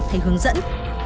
hay hướng dẫn